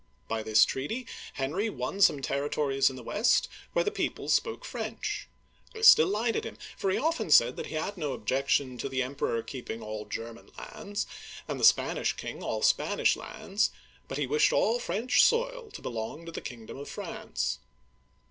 By this treaty, Henry won some territories in the west where the people spoke French. This delighted him, for he often said that he had no objec tion to the Emperor keeping all German lands, and the Digitized by Google 294 OLD FRANCE Spanish king all Spanish lands, but he wished all French soil to belong to the kingdom of France.